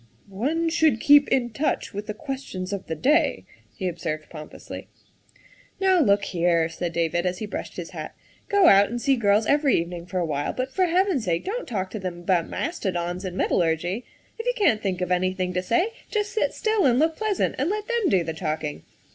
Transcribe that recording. " One should keep in touch with the questions of the day, '' he observed pompously. " Now look here," said David as he brushed his hat, " go out and see girls every evening for a while, but for Heaven's sake don't talk to them about mastodons and metallurgy. If you can't think of anything to say, just sit still and look pleasant and let them do the talking.